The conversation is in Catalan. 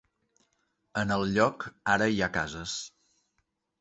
En el lloc ara hi ha cases.